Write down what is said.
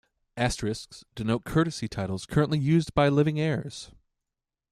Asterisks denote courtesy titles currently used by living heirs.